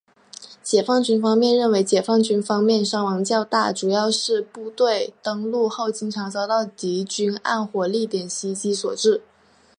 解放军方面认为解放军方面伤亡较大主要是部队登陆后经常遭到国军暗火力点袭击所致。